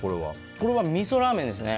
これはみそラーメンですね。